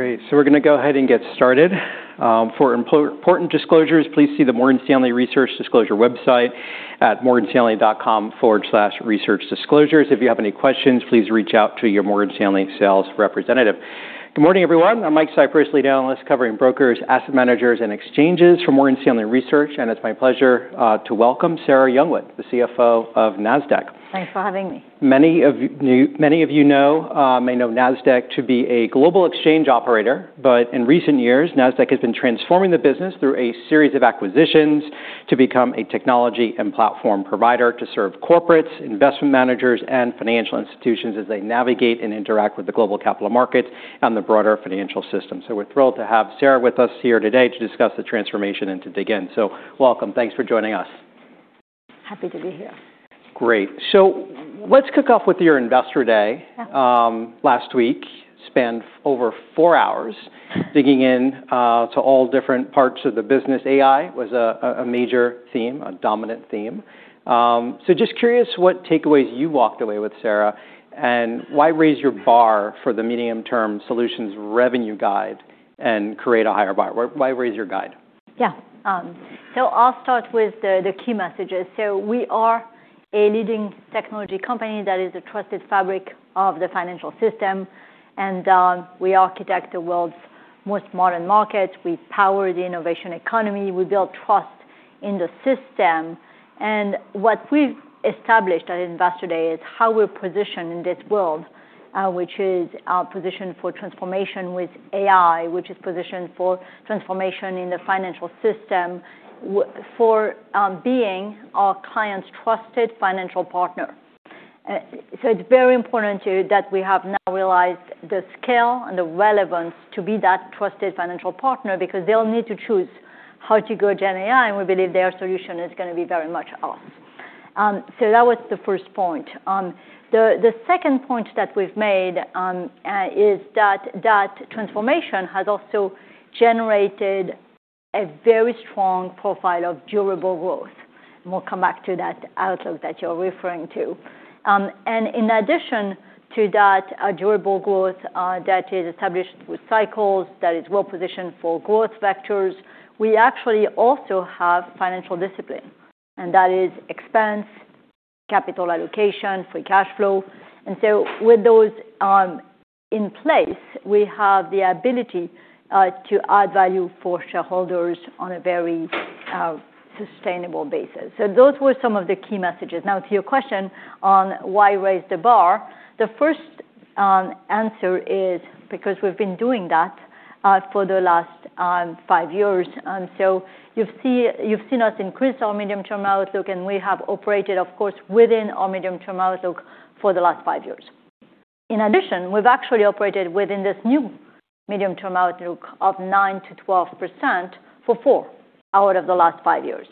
Great. We're gonna go ahead and get started. For important disclosures, please see the Morgan Stanley Research Disclosure website at morganstanley.com/researchdisclosures. If you have any questions, please reach out to your Morgan Stanley sales representative. Good morning, everyone. I'm Michael Cyprys, Lead analyst covering brokers, asset managers, and exchanges for Morgan Stanley Research, and it's my pleasure to welcome Sarah Youngwood, the CFO of Nasdaq. Thanks for having me. Many of you know, may know Nasdaq to be a global exchange operator. In recent years, Nasdaq has been transforming the business through a series of acquisitions to become a technology and platform provider to serve corporates, investment managers, and financial institutions as they navigate and interact with the global capital markets and the broader financial system. We're thrilled to have Sarah with us here today to discuss the transformation and to dig in. Welcome. Thanks for joining us. Happy to be here. Great. Let's kick off with your Investor Day. Yeah. Last week, spent over four hours digging in to all different parts of the business. AI was a major theme, a dominant theme. Just curious what takeaways you walked away with, Sarah, why raise your bar for the medium-term solutions revenue guide and create a higher bar? Why raise your guide? I'll start with the key messages. We are a leading technology company that is a trusted fabric of the financial system, and we architect the world's most modern markets. We power the innovation economy. We build trust in the system. What we've established at Investor Day is how we're positioned in this world, which is our position for transformation with AI, which is positioned for transformation in the financial system for being our clients' trusted financial partner. It's very important, too, that we have now realized the scale and the relevance to be that trusted financial partner because they'll need to choose how to go GenAI, and we believe their solution is gonna be very much us. That was the first point. The second point that we've made is that that transformation has also generated a very strong profile of durable growth. We'll come back to that outlook that you're referring to. In addition to that, durable growth that is established with cycles, that is well-positioned for growth vectors, we actually also have financial discipline, and that is expense, capital allocation, free cash flow. With those in place, we have the ability to add value for shareholders on a very sustainable basis. Those were some of the key messages. To your question on why raise the bar, the first answer is because we've been doing that for the last five years. You've seen us increase our medium-term outlook, and we have operated, of course, within our medium-term outlook for the last five years. In addition, we've actually operated within this new medium-term outlook of 9%-12% for four out of the last five years.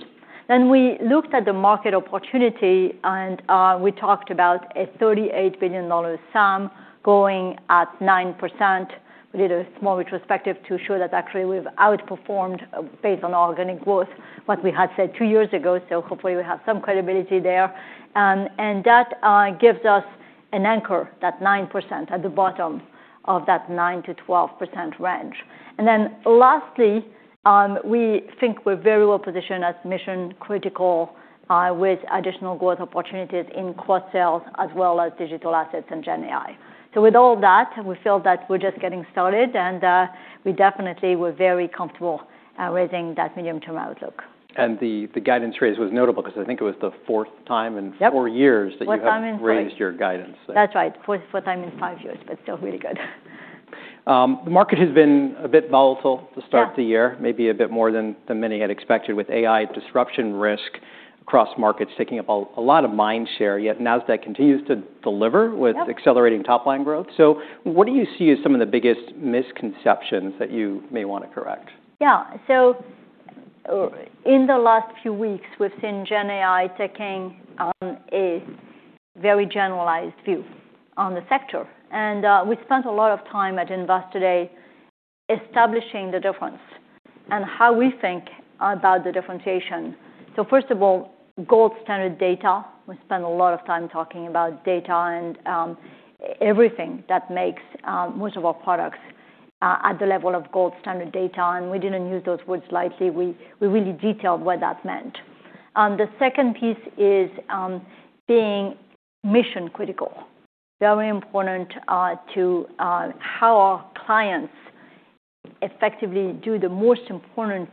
We looked at the market opportunity, and we talked about a $38 billion sum going at 9%. We did a small retrospective to show that actually we've outperformed based on organic growth what we had said two years ago, so hopefully we have some credibility there. That gives us an anchor, that 9% at the bottom of that 9%-12% range. Lastly, we think we're very well-positioned as mission-critical, with additional growth opportunities in cross-sales as well as digital assets and GenAI. With all that, we feel that we're just getting started, and we definitely were very comfortable raising that medium-term outlook. The guidance raise was notable 'cause I think it was the fourth time. Yep four years that you have Fourth time in. raised your guidance. That's right. Fourth time in five years, but still really good. The market has been a bit volatile to start. Yeah the year, maybe a bit more than many had expected with AI disruption risk across markets taking up a lot of mind share, yet Nasdaq continues to deliver with- Yep accelerating top-line growth. What do you see as some of the biggest misconceptions that you may wanna correct? Yeah. In the last few weeks, we've seen GenAI taking on a very generalized view on the sector. We spent a lot of time at Investor Day establishing the difference and how we think about the differentiation. First of all, gold standard data. We spent a lot of time talking about data and everything that makes most of our products at the level of gold standard data. We didn't use those words lightly. We really detailed what that meant. The second piece is being mission-critical. Very important to how our clients effectively do the most important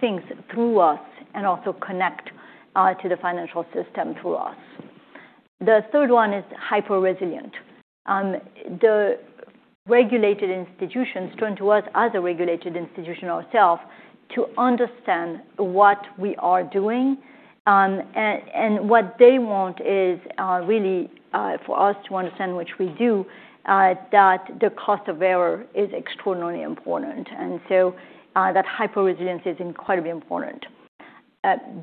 things through us and also connect to the financial system through us. The third one is hyper-resilient. The regulated institutions turn to us as a regulated institution ourself to understand what we are doing. And what they want is really for us to understand, which we do, that the cost of error is extraordinarily important. That hyper-resiliency is incredibly important.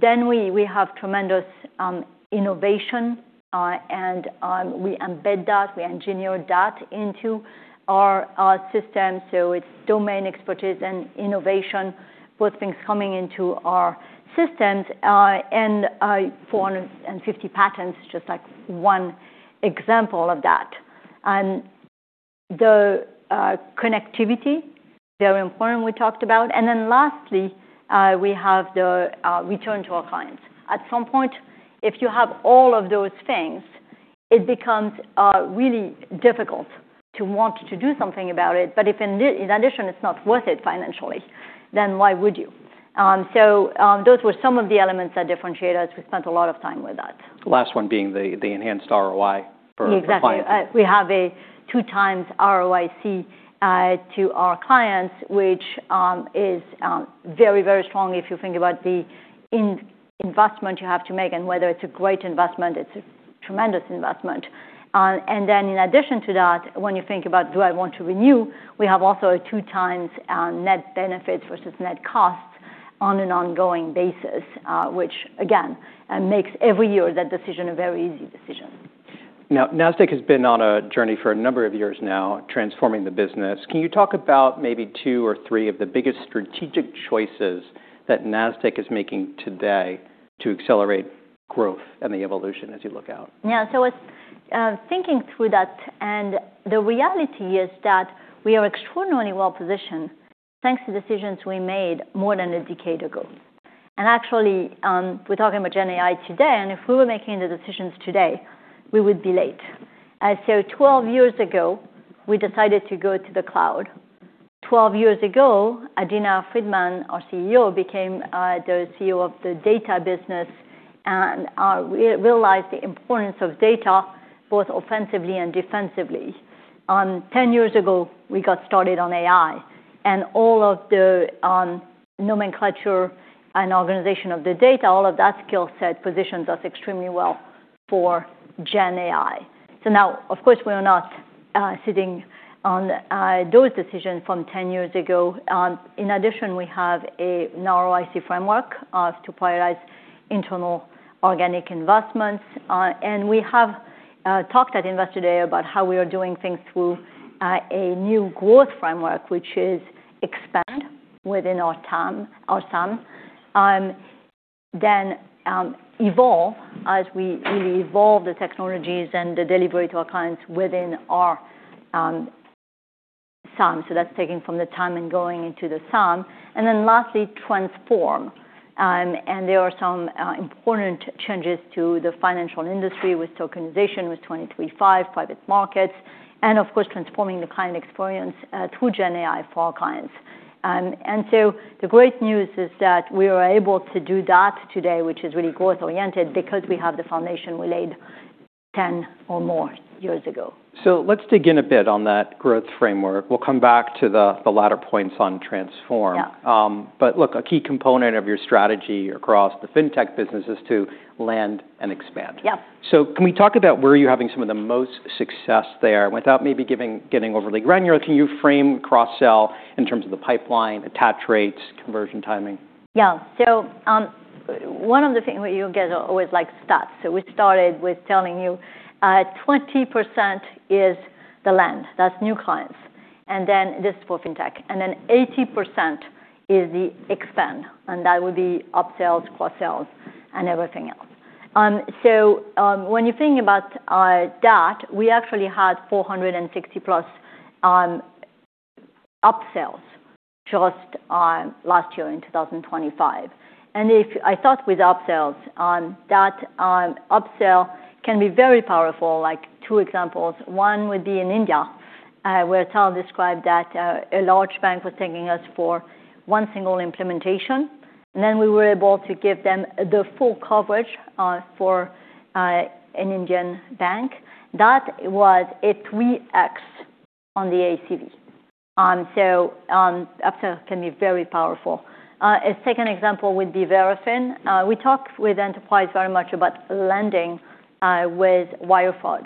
Then we have tremendous innovation, and we embed that, we engineer that into our system. It's domain expertise and innovation, both things coming into our systems, and 450 patents, just like one example of that. The connectivity, very important we talked about. Lastly, we have the return to our clients. At some point, if you have all of those things, it becomes really difficult to want to do something about it. If in addition, it's not worth it financially, then why would you? Those were some of the elements that differentiate us. We spent a lot of time with that. The last one being the enhanced ROI for the clients. Exactly. We have a 2x ROIC to our clients, which is very, very strong if you think about the in-investment you have to make and whether it's a great investment, it's a tremendous investment. In addition to that, when you think about do I want to renew, we have also a 2x net benefit versus net cost on an ongoing basis, which again, makes every year that decision a very easy decision. Nasdaq has been on a journey for a number of years now transforming the business. Can you talk about maybe two or three of the biggest strategic choices that Nasdaq is making today to accelerate growth and the evolution as you look out? Yeah. I was thinking through that, the reality is that we are extraordinarily well-positioned thanks to decisions we made more than a decade ago. Actually, we're talking about GenAI today, if we were making the decisions today, we would be late. 12 years ago, we decided to go to the cloud. 12 years ago, Adena Friedman, our CEO, became the CEO of the Data Business and realized the importance of data both offensively and defensively. 10 years ago, we got started on AI and all of the nomenclature and organization of the data, all of that skill set positions us extremely well for GenAI. Now of course, we are not sitting on those decisions from 10 years ago. In addition, we have a narrow IC framework to prioritize internal organic investments. We have talked at Investor Day about how we are doing things through a new growth framework, which is expand within our TAM, our SAM. Evolve as we really evolve the technologies and the delivery to our clients within our SAM. That's taking from the TAM and going into the SAM. Lastly, transform. There are some important changes to the financial industry with tokenization, with 23x5, private markets, and of course transforming the client experience through GenAI for our clients. The great news is that we are able to do that today, which is really growth-oriented because we have the foundation we laid 10 or more years ago. Let's dig in a bit on that growth framework. We'll come back to the latter points on transform. Yeah. Look, a key component of your strategy across the fintech business is to land and expand. Yeah. Can we talk about where are you having some of the most success there? Without maybe getting overly granular, can you frame cross-sell in terms of the pipeline, attach rates, conversion timing? Yeah. One of the thing you'll get always like stats. We started with telling you 20% is the land, that's new clients, this for fintech, 80% is the expand, that would be upsells, cross-sells, and everything else. When you're thinking about that, we actually had 460+ upsells just last year in 2025. If I start with upsells, that upsell can be very powerful, like two examples. One would be in India, where Tal described that a large bank was taking us for one single implementation, we were able to give them the full coverage for an Indian bank. That was a 3x on the ACV. Upsell can be very powerful. A second example would be Verafin. We talk with enterprise very much about lending with Wirecard.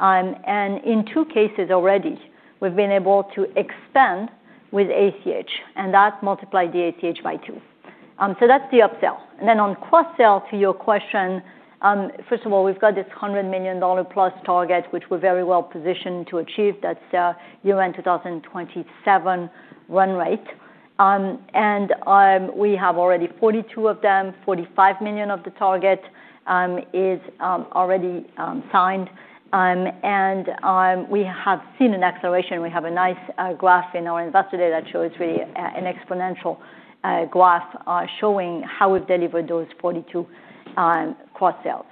In two cases already, we've been able to expand with ACH, and that multiplied the ACH by two. That's the upsell. On cross-sell, to your question, first of all, we've got this $100 million+ target, which we're very well positioned to achieve. That's the year-end 2027 run-rate. We have already 42 of them, $45 million of the target is already signed. We have seen an acceleration. We have a nice graph in our Investor Day that shows really an exponential graph showing how we've delivered those 42 cross-sells.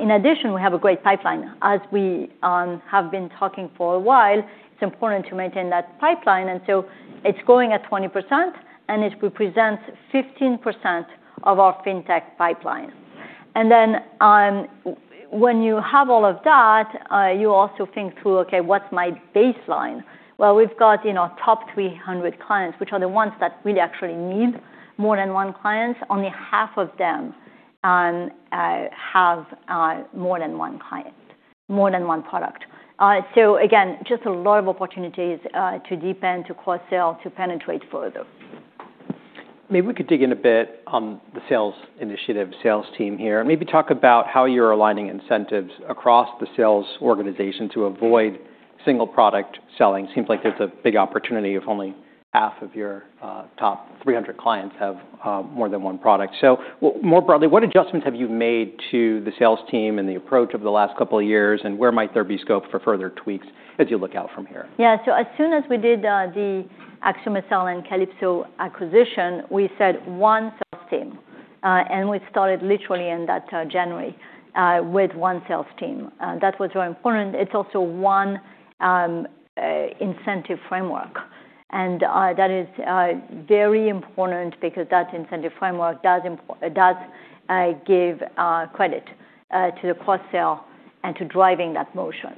In addition, we have a great pipeline. As we have een talking for a while, it's important to maintain that pipeline. It's growing at 20%, and it represents 15% of our fintech pip eline. When you have all of that, you also think through, okay, what's my baseline? Well, we've got, you know, top 300 clients, which are the ones that really actually need more than one client. Only half of them have more than one product. Again, just a lot of opportunities to deepen, to cross-sell, to penetrate further. Maybe we could dig in a bit on the sales initiative, sales team here. Maybe talk about how you're aligning incentives across the sales organization to avoid. Single product selling seems like there's a big opportunity if only half of your top 300 clients have more than onr product. More broadly, what adjustments have you made to the sales team and the approach over the last couple of years, and where might there be scope for further tweaks as you look out from here? Yeah. As soon as we did the AxiomSL and Calypso acquisition, we said one sales team. We started literally in that January with one sales team. That was very important. It's also one incentive framework. That is very important because that incentive framework does give credit to the cross-sell and to driving that motion.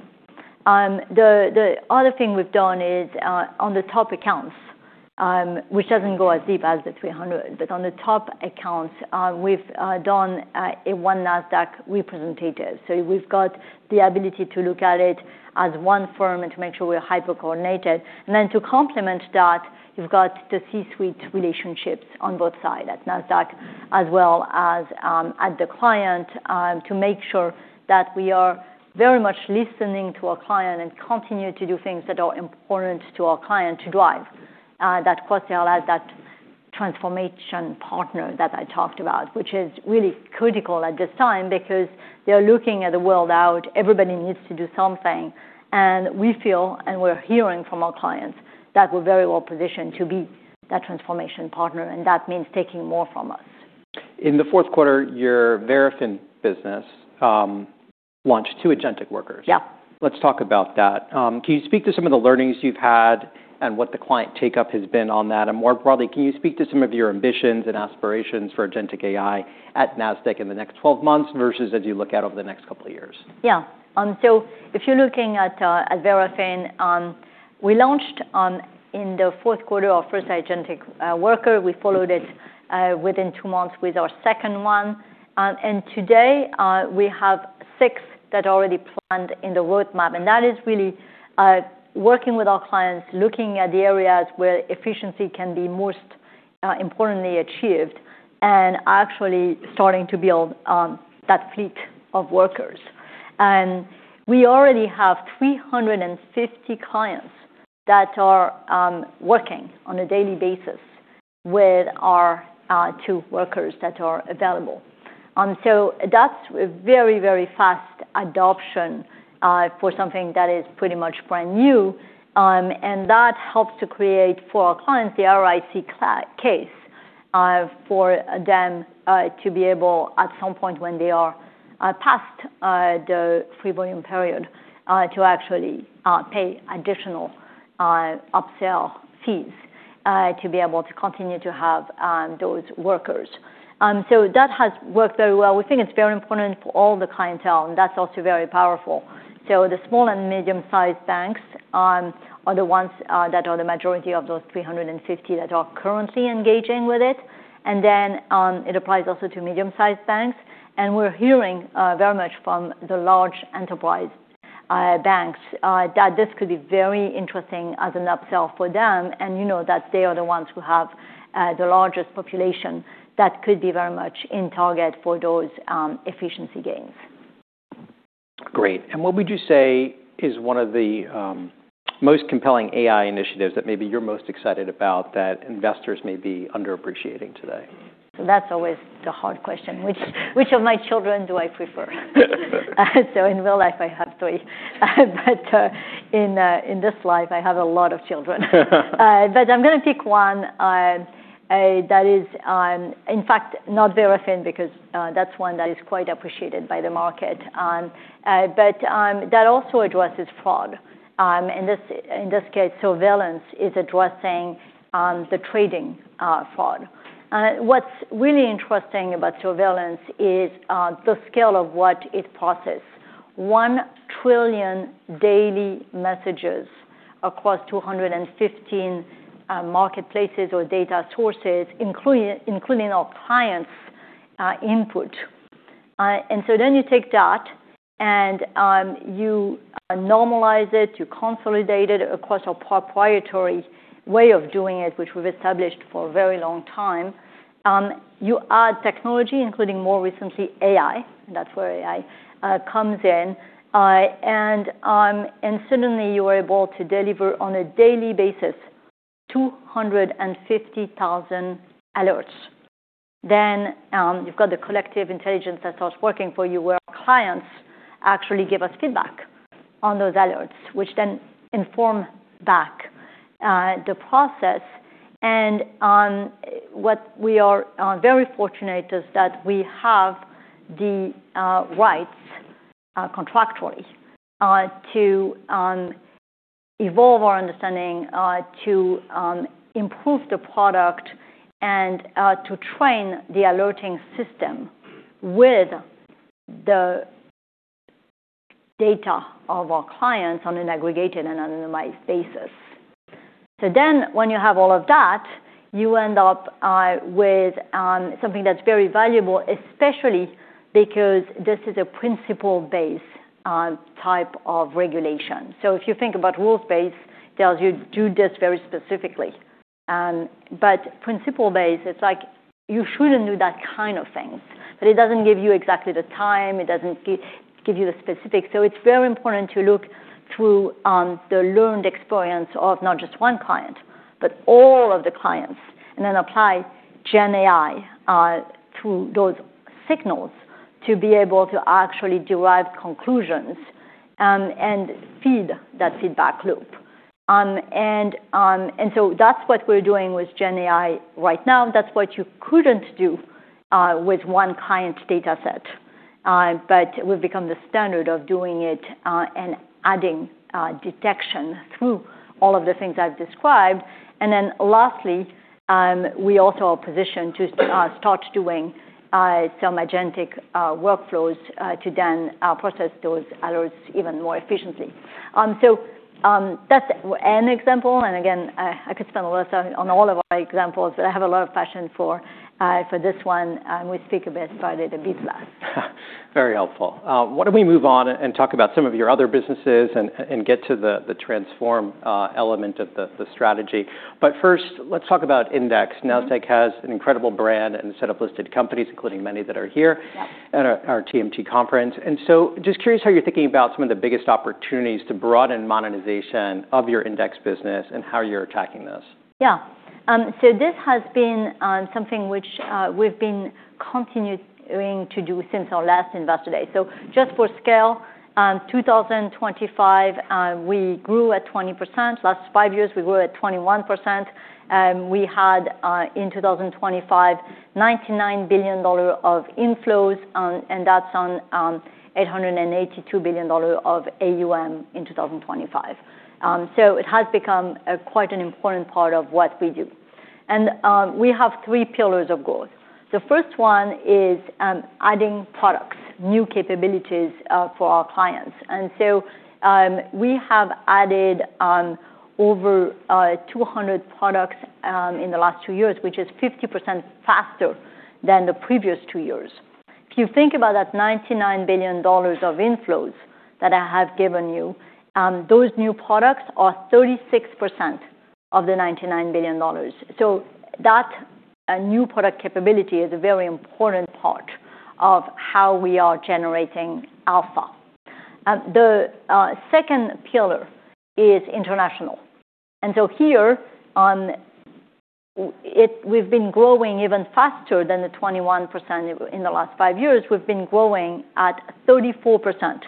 The other thing we've done is on the top accounts, which doesn't go as deep as the 300, but on the top accounts, we've done a one Nasdaq representative. We've got the ability to look at it as one firm and to make sure we're hyper-coordinated. To complement that, you've got the C-suite relationships on both sides at Nasdaq as well as, at the client, to make sure that we are very much listening to our client and continue to do things that are important to our client to drive that cross-sell as that transformation partner that I talked about, which is really critical at this time because they are looking at the world out. Everybody needs to do something. We feel, and we're hearing from our clients, that we're very well-positioned to be that transformation partner, and that means taking more from us. In the fourth quarter, your Verafin business launched two agentic workers. Yeah. Let's talk about that. Can you speak to some of the learnings you've had and what the client take-up has been on that? More broadly, can you speak to some of your ambitions and aspirations for agentic AI at Nasdaq in the next 12 months versus as you look out over the next couple of years? Yeah. If you're looking at Verafin, we launched in the fourth quarter our first agentic worker. We followed it within two months with our second one. Today, we have six that are already planned in the roadmap. That is really working with our clients, looking at the areas where efficiency can be most importantly achieved, and actually starting to build that fleet of workers. We already have 350 clients that are working on a daily basis with our two workers that are available. That's a very, very fast adoption for something that is pretty much brand new. That helps to create for our clients the ROI case for them to be able at some point when they are past the free volume period to actually pay additional upsell fees to be able to continue to have those workers. That has worked very well. We think it's very important for all the clientele, and that's also very powerful. The small and medium-sized banks are the ones that are the majority of those 350 that are currently engaging with it. It applies also to medium-sized banks. We're hearing very much from the large enterprise banks that this could be very interesting as an upsell for them. You know that they are the ones who have the largest population that could be very much in target for those efficiency gains. Great. What would you say is one of the most compelling AI initiatives that maybe you're most excited about that investors may be underappreciating today? That's always the hard question. Which of my children do I prefer? In real life, I have three. But in this life, I have a lot of children. I'm gonna pick one that is in fact not Verafin because that's one that is quite appreciated by the market. That also addresses fraud. In this case, Surveillance is addressing the trading fraud. What's really interesting about Surveillance is the scale of what it processes. 1 trillion daily messages across 215 marketplaces or data sources, including our clients' input. You take that and you normalize it, you consolidate it across our proprietary way of doing it, which we've established for a very long time. You add technology, including more recently AI. That's where AI comes in. Suddenly you are able to deliver on a daily basis 250,000 alerts. You've got the collective intelligence that starts working for you, where our clients actually give us feedback on those alerts, which then inform back the process. What we are very fortunate is that we have the rights contractually to evolve our understanding, to improve the product and to train the alerting system with the data of our clients on an aggregated and anonymized basis. When you have all of that, you end up with something that's very valuable, especially because this is a principle-based type of regulation. If you think about rules-based, tells you do this very specifically. Principle base, it's like you shouldn't do that kind of things, but it doesn't give you exactly the time, it doesn't give you the specifics. It's very important to look through the learned experience of not just one client, but all of the clients, and then apply GenAI to those signals to be able to actually derive conclusions and feed that feedback loop. That's what we're doing with GenAI right now. That's what you couldn't do with one client's data set. We've become the standard of doing it and adding detection through all of the things I've described. Lastly, we also are positioned to start doing some agentic workflows to then process those alerts even more efficiently. That's an example, and again, I could spend less on all of our examples, but I have a lot of passion for this one, and we speak a bit about it a bit less. Very helpful. Why don't we move on and talk about some of your other businesses and get to the transform element of the strategy. First, let's talk about Index. Mm-hmm. Nasdaq has an incredible brand and set of listed companies, including many that are here. Yeah at our TMT conference. Just curious how you're thinking about some of the biggest opportunities to broaden monetization of your Index business and how you're attacking this. Yeah. This has been something which we've been continuing to do since our last Investor Day. Just for scale, 2025, we grew at 20%. Last five years, we grew at 21%. We had in 2025, $99 billion of inflows, and that's on $882 billion of AUM in 2025. It has become quite an important part of what we do. We have three pillars of growth. The first one is adding products, new capabilities, for our clients. We have added over 200 products in the last two years, which is 50% faster than the previous two years. If you think about that $99 billion of inflows that I have given you, those new products are 36% of the $99 billion. That new product capability is a very important part of how we are generating alpha. The second pillar is International. Here we've been growing even faster than the 21% in the last five years. We've been growing at 34%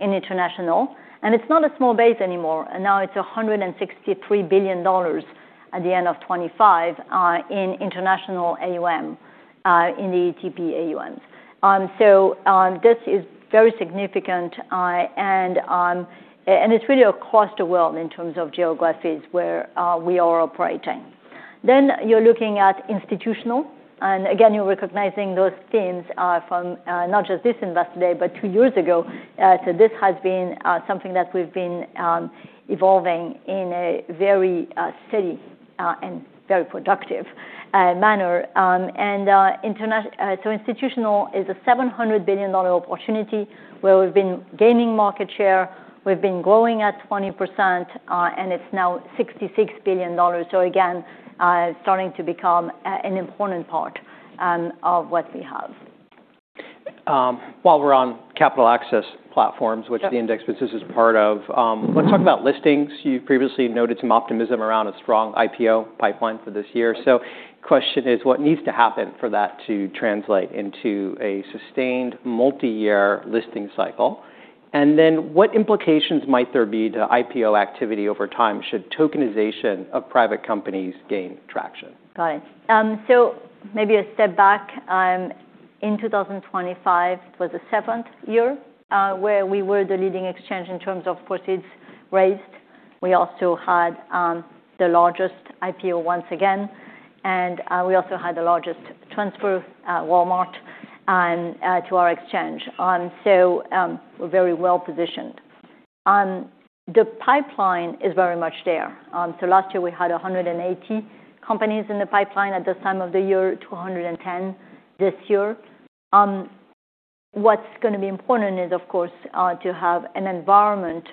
in international, and it's not a small base anymore. Now it's $163 billion at the end of 2025, in international AUM, in the ETP AUMs. This is very significant, and it's really across the world in terms of geographies where we are operating. You're looking at institutional, and again, you're recognizing those themes from not just this Investor Day, but two years ago. This has been something that we've been evolving in a very steady and very productive manner. Institutional is a $700 billion opportunity where we've been gaining market share. We've been growing at 20%, and it's now $66 billion. Again, it's starting to become an important part of what we have. While we're on Capital Access Platforms. Yeah which the Index business is part of, let's talk about listings. You previously noted some optimism around a strong IPO pipeline for this year. Question is, what needs to happen for that to translate into a sustained multi-year listing cycle? What implications might there be to IPO activity over time should tokenization of private companies gain traction? Got it. Maybe a step back, in 2025 was the 7th year, where we were the leading exchange in terms of proceeds raised. We also had the largest IPO once again, and we also had the largest transfer, Walmart, to our exchange. We're very well-positioned. The pipeline is very much there. Last year we had 180 companies in the pipeline at this time of the year, 210 this year. What's gonna be important is, of course, to have an environment,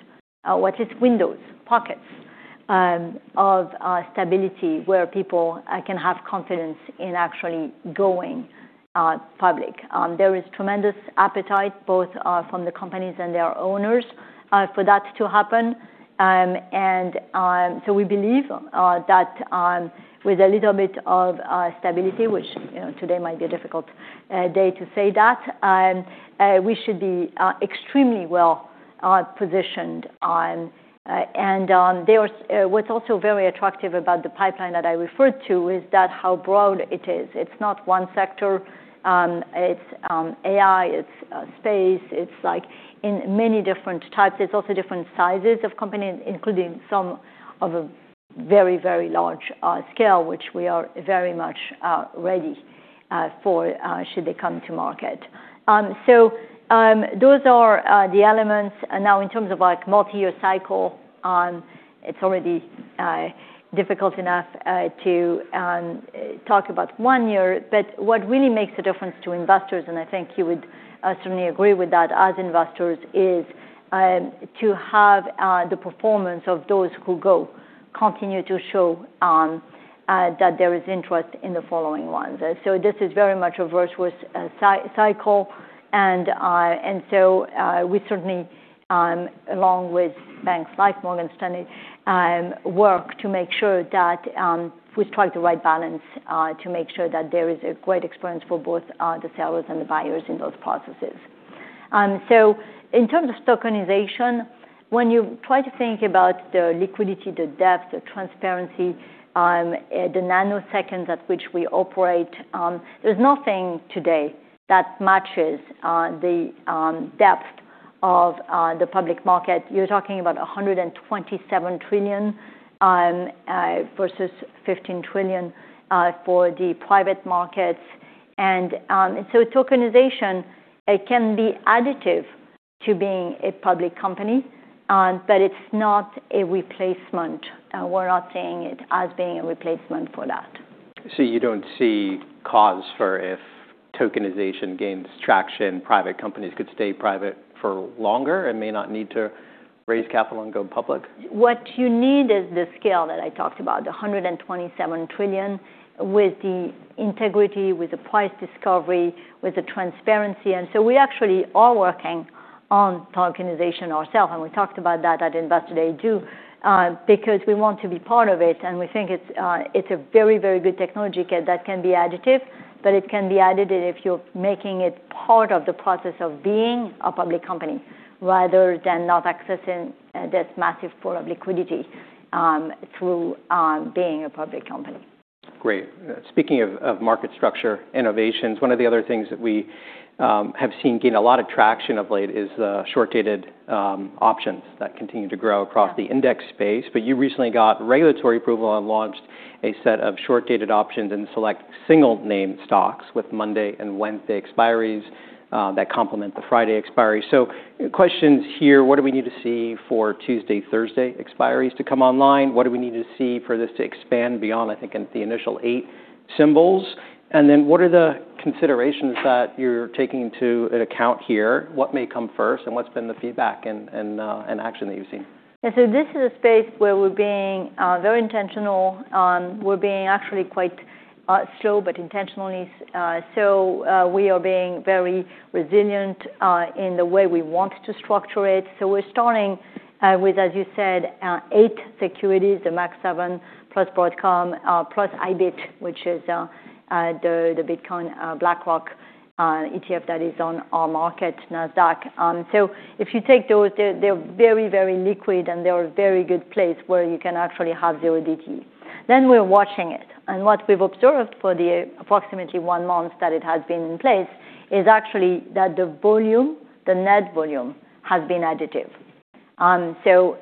which is windows, pockets, of stability where people can have confidence in actually going public. There is tremendous appetite both from the companies and their owners, for that to happen. We believe that with a little bit of stability, which, you know, today might be a difficult day to say that, we should be extremely well positioned, what's also very attractive about the pipeline that I referred to is that how broad it is. It's not one sector. It's AI, it's space. It's like in many different types. It's also different sizes of companies, including some of a very, very large scale, which we are very much ready for, should they come to market. Those are the elements. Now, in terms of, like, multi-year cycle, it's already difficult enough to talk about one year. What really makes a difference to investors, and I think you would certainly agree with that as investors, is to have the performance of those who go. Continue to show that there is interest in the following ones. This is very much a virtuous cycle and so, we certainly, along with banks like Morgan Stanley, work to make sure that we strike the right balance, to make sure that there is a great experience for both the sellers and the buyers in those processes. In terms of tokenization, when you try to think about the liquidity, the depth, the transparency, the nanoseconds at which we operate, there's nothing today that matches the depth of the public market. You're talking about $127 trillion versus $15 trillion for the private markets. Tokenization, it can be additive to being a public company, but it's not a replacement. We're not seeing it as being a replacement for that. You don't see cause for if tokenization gains traction, private companies could stay private for longer and may not need to raise capital and go public? What you need is the scale that I talked about, the $127 trillion, with the integrity, with the price discovery, with the transparency. We actually are working on tokenization ourself, and we talked about that at Investor Day, too, because we want to be part of it and we think it's a very, very good technology that can be additive, but it can be additive if you're making it part of the process of being a public company rather than not accessing this massive pool of liquidity through being a public company. Great. Speaking of market structure innovations, one of the other things that we have seen gain a lot of traction of late is short-dated options that continue to grow across the Index space. You recently got regulatory approval and launched a set of short-dated options in select single name stocks with Monday and Wednesday expiries that complement the Friday expiry. Questions here, what do we need to see for Tuesday, Thursday expiries to come online? What do we need to see for this to expand beyond, I think, the initial eight symbols? What are the considerations that you're taking into an account here? What may come first, and what's been the feedback and action that you've seen? This is a space where we're being very intentional. We're being actually quite slow, but intentionally. We are being very resilient in the way we want to structure it. We're starting with, as you said, eight securities, the Mag Seven plus Broadcom, plus IBIT, which is the Bitcoin BlackRock ETF that is on our market, Nasdaq. If you take those, they're very, very liquid, and they're a very good place where you can actually have 0DTE. We're watching it. What we've observed for the approximately one month that it has been in place is actually that the volume, the net volume has been additive.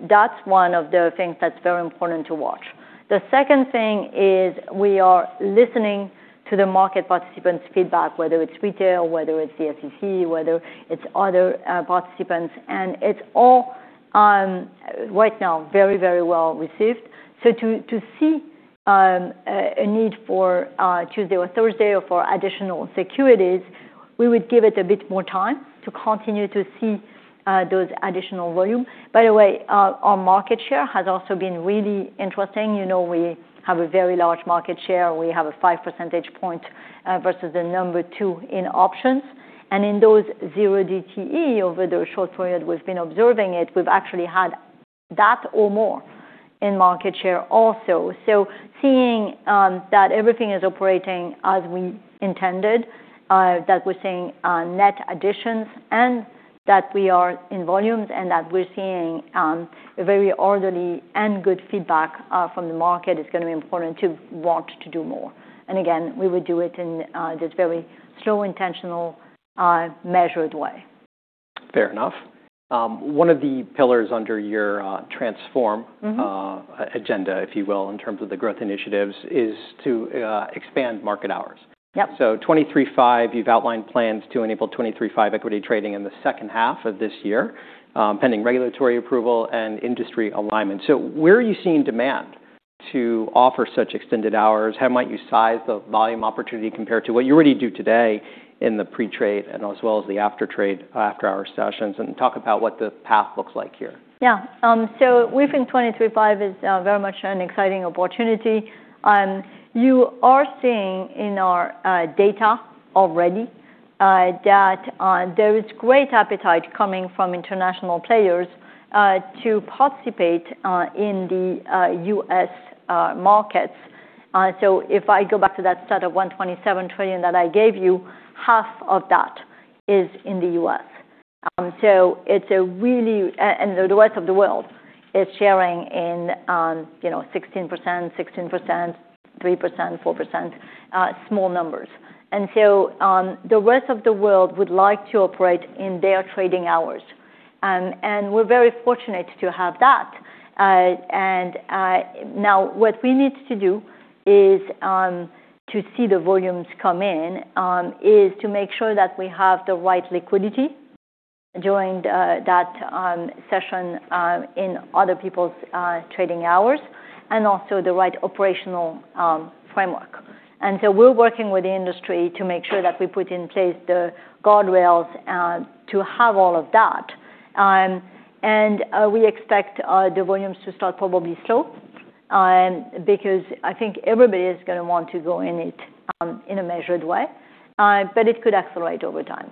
That's one of the things that's very important to watch. The second thing is we are listening to the market participants' feedback, whether it's retail, whether it's the SEC, whether it's other participants. It's all right now very, very well received. To see a need for Tuesday or Thursday or for additional securities, we would give it a bit more time to continue to see those additional volume. By the way, our market share has also been really interesting. You know, we have a very large market share. We have a 5 percentage point versus the number two in options. In those 0DTE over the short period we've been observing it, we've actually had that or more in market share also. Seeing that everything is operating as we intended, that we're seeing net additions and that we are in volumes and that we're seeing a very orderly and good feedback from the market, it's gonna be important to want to do more. Again, we would do it in this very slow, intentional, measured way. Fair enough. One of the pillars under your, transform- Mm-hmm agenda, if you will, in terms of the growth initiatives, is to, expand market hours. Yep. 23x5, you've outlined plans to enable 23x5 equity trading in the second half of this year, pending regulatory approval and industry alignment. Where are you seeing demand to offer such extended hours? How might you size the volume opportunity compared to what you already do today in the pre-trade and as well as the after-trade, after-hour sessions? Talk about what the path looks like here. Yeah. We think 23x5 is very much an exciting opportunity. You are seeing in our data already that there is great appetite coming from international players to participate in the U.S. markets. If I go back to that stat of $127 trillion that I gave you, half of that is in the U.S. It's a really and the rest of the world is sharing in, you know, 16%, 16%, 3%, 4%, small numbers. The rest of the world would like to operate in their trading hours. We're very fortunate to have that. Now what we need to do is to see the volumes come in, is to make sure that we have the right liquidity during that session, in other people's trading hours, and also the right operational framework. We're working with the industry to make sure that we put in place the guardrails to have all of that. We expect the volumes to start probably slow, because I think everybody is gonna want to go in it, in a measured way. It could accelerate over time.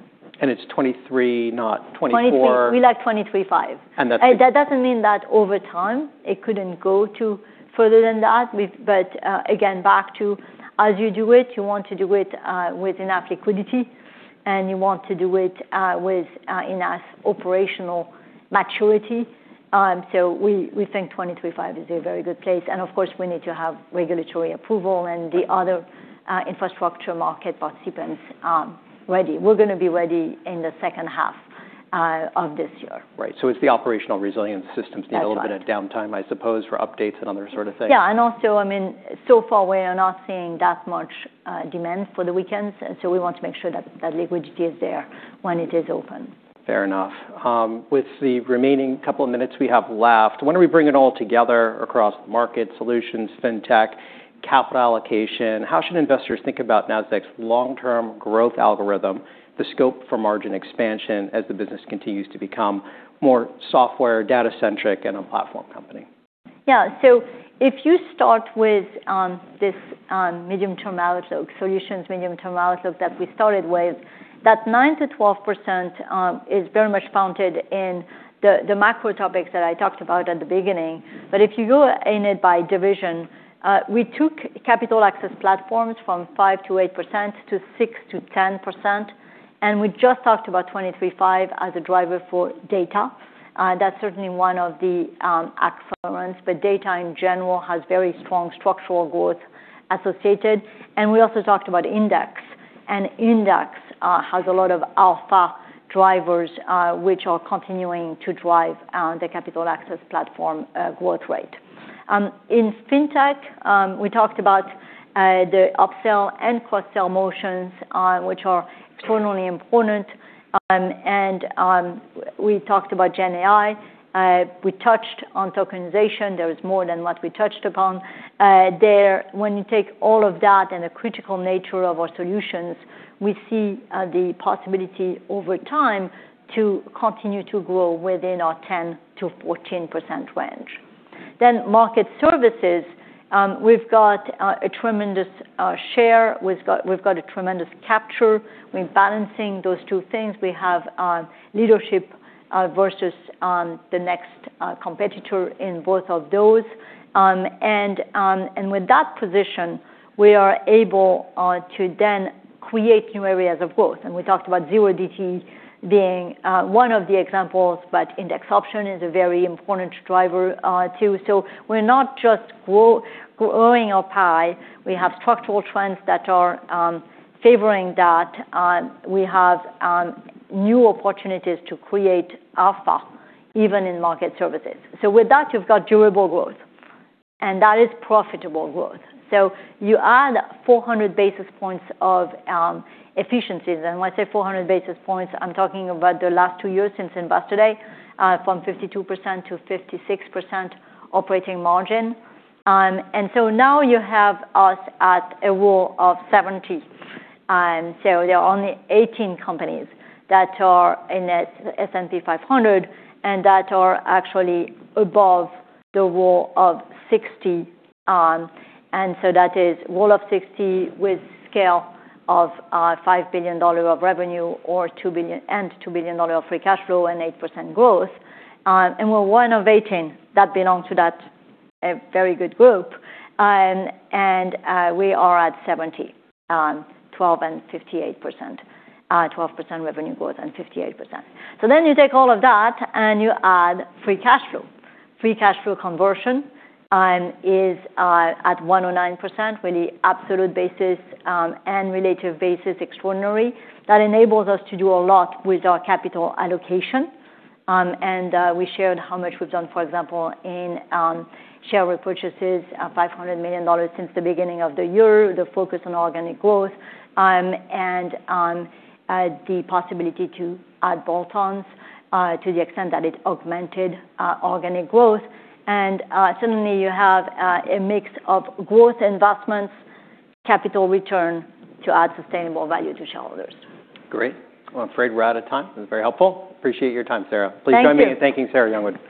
It's 23, not 24. 23. We like 23x5. that's- That doesn't mean that over time it couldn't go to further than that with. Again, back to as you do it, you want to do it with enough liquidity, and you want to do it with enough operational maturity. We think 23x5 is a very good place. Of course, we need to have regulatory approval and the other infrastructure market participants ready. We're gonna be ready in the second half of this year. Right. it's the operational resilience systems- That's right. need a little bit of downtime, I suppose, for updates and other sort of things. Yeah. Also, I mean, so far we are not seeing that much demand for the weekends, and so we want to make sure that that liquidity is there when it is open. Fair enough. With the remaining couple of minutes we have left, when we bring it all together across market solutions, fintech, capital allocation, how should investors think about Nasdaq's long-term growth algorithm, the scope for margin expansion as the business continues to become more software data-centric and a platform company? Yeah. If you start with this medium-term outlook, solutions medium-term outlook that we started with, that 9%-12% is very much founded in the macro topics that I talked about at the beginning. If you go in it by division, we took Capital Access Platforms from 5%-8% to 6%-10%, and we just talked about 23x5 as a driver for data. That's certainly one of the accelerants. Data in general has very strong structural growth associated. We also talked about Index. Index has a lot of alpha drivers, which are continuing to drive the Capital Access Platforms growth rate. In fintech, we talked about the upsell and cross-sell motions, which are extremely important. We talked about GenAI. We touched on tokenization. There was more than what we touched upon. When you take all of that and the critical nature of our solutions, we see the possibility over time to continue to grow within our 10%-14% range. Market Services, we've got a tremendous share. We've got a tremendous capture. We're balancing those two things. We have leadership versus the next competitor in both of those. With that position, we are able to then create new areas of growth. We talked about 0DTE being one of the examples, but Index option is a very important driver too. We're not just growing our pie. We have structural trends that are favoring that. We have new opportunities to create alpha even in Market Services. With that you've got durable growth, and that is profitable growth. You add 400 basis points of efficiencies. When I say 400 basis points, I'm talking about the last two years since Investor Day, from 52% to 56% operating margin. Now you have us at a ROE of 70. There are only 18 companies that are in S&P 500 and that are actually above the ROE of 60. That is ROE of 60 with scale of $5 billion of revenue or $2 billion of free cash flow and 8% growth. We're one of 18 that belong to that very good group. We are at 70%, 12% and 58%. 12% revenue growth and 58%. You take all of that and you add free cash flow. Free cash flow conversion is at 109% with the absolute basis and relative basis extraordinary. That enables us to do a lot with our capital allocation. We shared how much we've done, for example, in share repurchases, $500 million since the beginning of the year, the focus on organic growth, and the possibility to add bolt-ons to the extent that it augmented organic growth. Suddenly you have a mix of growth investments, capital return to add sustainable value to shareholders. Great. Well, I'm afraid we're out of time. This was very helpful. Appreciate your time, Sarah. Thank you. Please join me in thanking Sarah Youngwood.